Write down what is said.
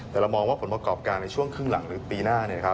แต่เรามองว่าผลประกอบการในช่วงครึ่งหลังหรือปีหน้า